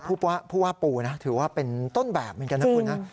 ผู้ว่าปูนะถือว่าเป็นต้นแบบเหมือนกันนะคุณนะ